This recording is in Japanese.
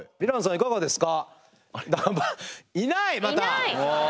いかがでしたか？